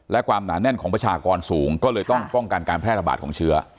และความหนาแน่นของประชากรสูงก็เลยต้องป้องกันการแพร่ระบาดของเชื้อ